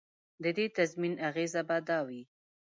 د دې تضمین اغېزه به دا وه.